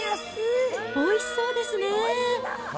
おいしそうですね。